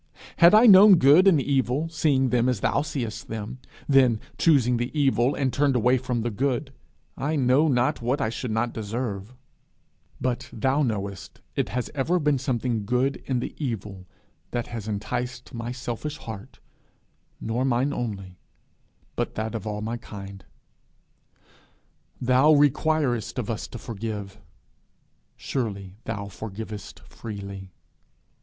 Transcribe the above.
Had I known good and evil, seeing them as thou seest them, then chosen the evil, and turned away from the good, I know not what I should not deserve; but thou knowest it has ever been something good in the evil that has enticed my selfish heart nor mine only, but that of all my kind. Thou requirest of us to forgive: surely thou forgivest freely!